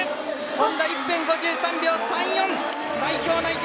本多、１分５３秒３４！代表内定。